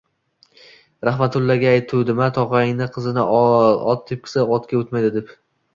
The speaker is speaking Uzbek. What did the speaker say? Rahmatullaga aytuvdim-a tog‘angning qizini ol, ot tepkisi otga o‘tmaydi deb.